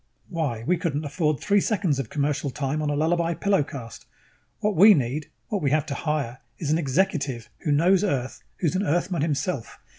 Why, we couldn't afford three seconds of commercial time on a Lullaby Pillow 'cast. What we need, what we have to hire, is an executive who knows Earth, who's an Earthman himself.